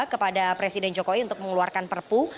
kepada presiden jokowi untuk mengeluarkan perpu